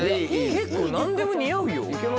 結構何でも似合うよ。